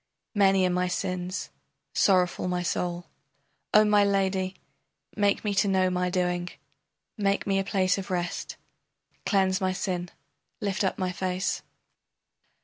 Many are my sins, sorrowful my soul. O my lady, make me to know my doing, Make me a place of rest, Cleanse my sin, lift up my face.